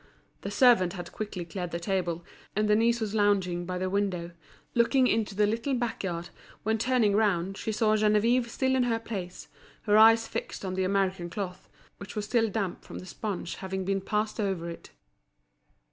The servant had quickly cleared the table, and Denise was lounging by the window, looking into the little back yard, when turning round she saw Geneviève still in her place, her eyes fixed on the American cloth, which was still damp from the sponge having been passed over it.